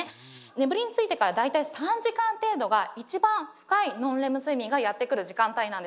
眠りについてから大体３時間程度が一番深いノンレム睡眠がやって来る時間帯なんです。